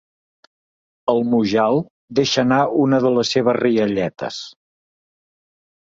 El Mujal deixa anar una de les seves rialletes.